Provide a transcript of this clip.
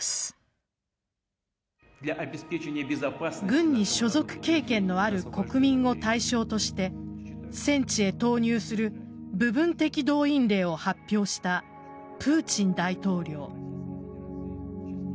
軍に所属経験のある国民を対象として戦地へ投入する部分的動員令を発表したプーチン大統領。